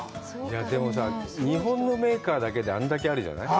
でもさ、日本のメーカーだけであれだけあるじゃない。